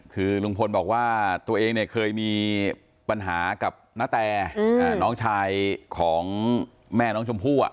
คือลุงพลบอกว่าตัวเองเนี่ยเคยมีปัญหากับณแตน้องชายของแม่น้องชมพู่